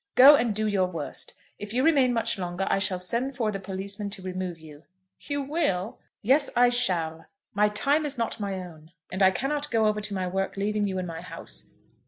Go and do your worst. If you remain much longer I shall send for the policeman to remove you." "You will?" "Yes, I shall. My time is not my own, and I cannot go over to my work leaving you in my house.